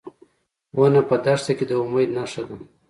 ونه په دښته کې د امید نښه ده.